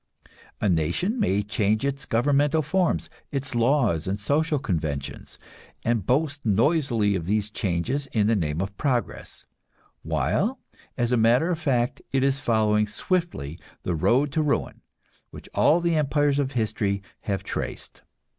A nation may change its governmental forms, its laws and social conventions, and boast noisily of these changes in the name of progress, while as a matter of fact it is following swiftly the road to ruin which all the empires of history have traced.